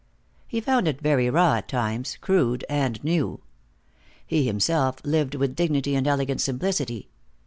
He found it very raw at times, crude and new. He himself lived with dignity and elegant simplicity.